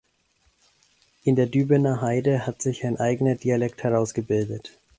In der Dübener Heide hat sich ein eigener Dialekt herausgebildet.